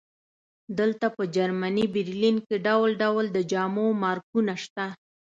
دلته په جرمني برلین کې ډول ډول د جامو مارکونه شته